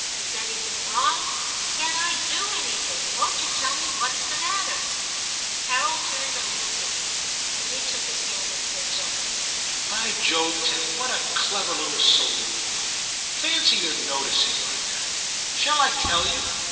Is anything wrong ? Can I do anything ? Won't you tell me what's the matter ?* Carol turned and looked at him ; then he took his hand and said gently —* By Jove, Tim, what a clever little soul you are ! fancy your noticing like that. Shall I tell you